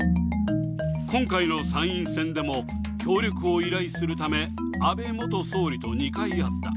今回の参院選でも協力を依頼するため、安倍元総理と２回会った。